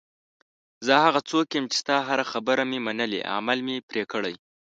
زه هغه څوک یم چې ستا هره خبره مې منلې، عمل مې پرې کړی.